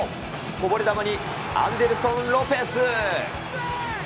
こぼれ球にアンデルソン・ロペス。